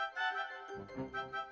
pi kok gitu sih